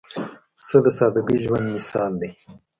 پسه د سادګۍ ژوندى مثال دی.